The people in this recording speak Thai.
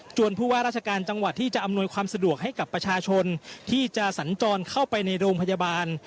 ผู้ว่าราชการจังหวัดที่จะอำนวยความสะดวกให้กับประชาชนที่จะสัญจรเข้าไปในโรงพยาบาล